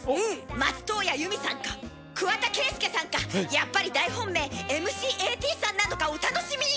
松任谷由実さんか桑田佳祐さんかやっぱり大本命ｍ．ｃ．Ａ・Ｔさんなのかお楽しみに！